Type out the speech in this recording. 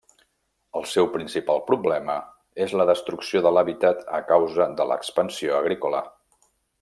El seu principal problema és la destrucció de l'hàbitat a causa de l'expansió agrícola.